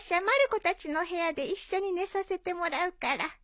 まる子たちの部屋で一緒に寝させてもらうから。